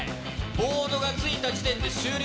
ボードがついた時点で終了。